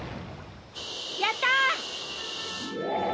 やった！